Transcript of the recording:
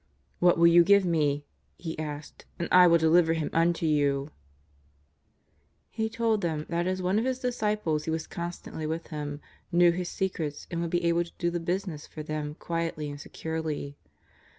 " What will you give me,'' he asked, '^ and I will deliver Him unto you ?" He told them that as one of His disciples he was constantly with Him, knew His secrets, and would be able to do the business for them quietly and securely.